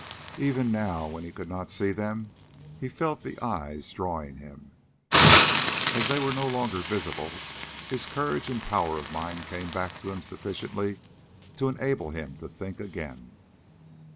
Even now, when he could not see them, he felt the eyes drawing him. Yet, as they were no longer visible, his courage and power of mind came back to him sufficiently to enable him to think again.